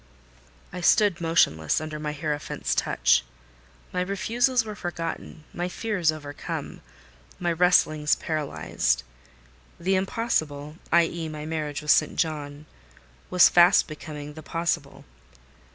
I stood motionless under my hierophant's touch. My refusals were forgotten—my fears overcome—my wrestlings paralysed. The Impossible—i.e., my marriage with St. John—was fast becoming the Possible.